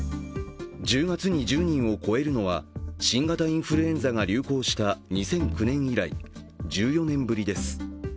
１０月に１０人を超えるのは新型インフルエンザが流行した２００９年以来、１４年ぶりです。